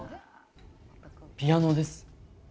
ピアノです。